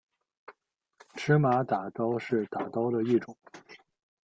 芝麻打糕是打糕的一种。